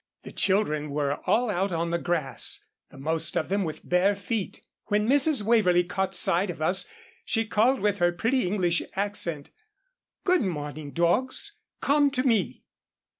The children were all out on the grass, the most of them with bare feet. When Mrs. Waverlee caught sight of us, she called with her pretty English accent, "Good morning, dogs, come to me."